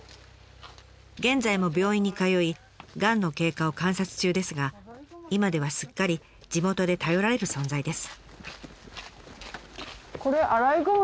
現在も病院に通いがんの経過を観察中ですが今ではすっかり地元で頼られる存在です。